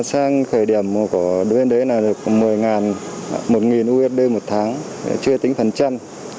sang khởi điểm của đối tượng đấy là được một mươi một usd một tháng chưa tính phần trăm